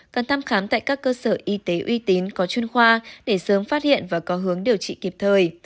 cần thăm khám tại các cơ sở y tế uy tín có chuyên khoa để sớm phát hiện và có hướng điều trị kịp thời